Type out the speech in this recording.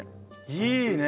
いいね。